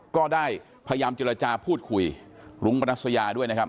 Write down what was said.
ก็ได้พยายามเจรจาพูดคุยรุ้งปรัสยาด้วยนะครับ